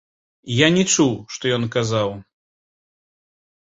Я не чуў, што ён казаў.